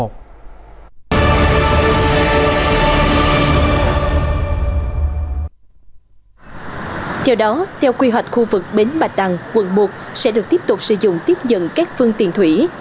theo đó theo quy hoạch khu vực bến bạch đăng quận một sẽ được tiếp tục sử dụng tiếp dận các phương tiền thủy